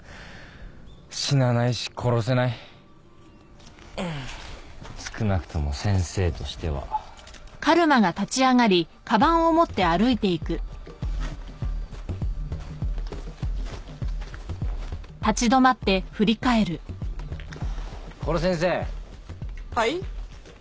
死なないし殺せない少なくとも先生としては殺せんせーはい？